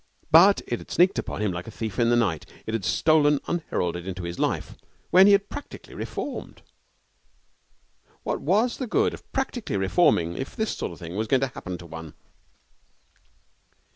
But it had sneaked upon him like a thief in the night; it had stolen unheralded into his life when he had practically reformed. What was the good of practically reforming if this sort of thing was going to happen to one?